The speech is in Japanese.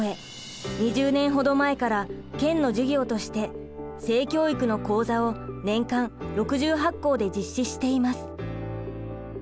２０年ほど前から県の事業として性教育の講座を年間６８校で実施しています。